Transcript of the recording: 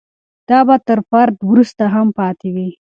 دا به تر فرد وروسته هم پاتې وي.